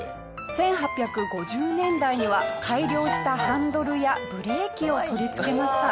１８５０年代には改良したハンドルやブレーキを取り付けました。